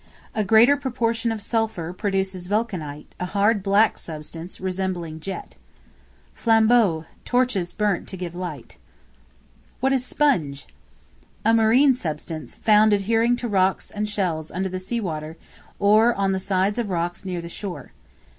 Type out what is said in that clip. A greater proportion of sulphur, produces vulcanite, a hard black substance, resembling jet. Flambeaux, torches burnt to give light. What is Sponge? A marine substance, found adhering to rocks and shells under the sea water, or on the sides of rocks near the shore.